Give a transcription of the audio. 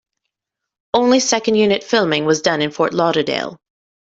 Only second unit filming was done in Fort Lauderdale.